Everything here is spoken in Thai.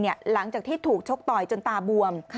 หลังจากที่ถูกชกต่อยจนตาบวม